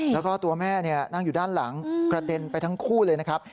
แล้วก็ตัวแม่นั่งอยู่ด้านหลังกระเด็นไปทั้งคู่เลยนะครับ